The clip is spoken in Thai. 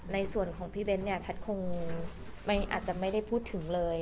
ในส่วนของพี่เบ้นเนี่ยแพทย์คงอาจจะไม่ได้พูดถึงเลย